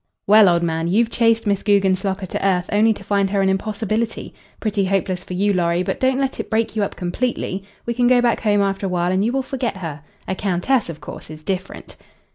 "Well, old man, you've chased Miss Guggenslocker to earth only to find her an impossibility. Pretty hopeless for you, Lorry, but don't let it break you up completely. We can go back home after a while and you will forget her. A countess, of course, is different."